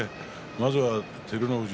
まずは照ノ富士。